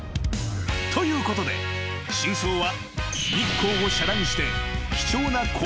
［ということで真相は］